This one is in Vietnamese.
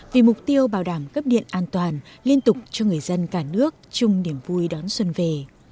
vì mục tiêu bảo đảm cấp điện an toàn liên tục cho người dân cả nước chung niềm vui đón xuân về